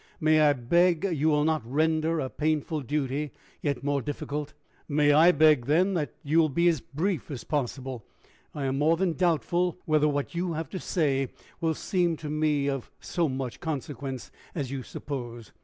May I beg you will not render a painful duty yet more difficult?" "May I beg, then, that you will be as brief as possible? I am more than doubtful whether what you have to say will seem to me of so much consequence as you suppose."